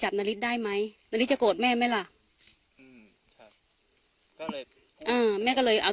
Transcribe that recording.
คือไม่ได้คิดว่าพูดผิดใช่ไหมครับ